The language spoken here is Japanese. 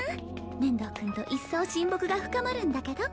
面堂君といっそう親睦が深まるんだけど